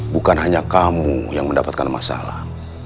bukan hanya kamu yang mendapatkan masalah